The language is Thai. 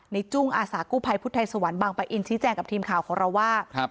จุ้งอาสากู้ภัยพุทธไทยสวรรค์บางปะอินชี้แจงกับทีมข่าวของเราว่า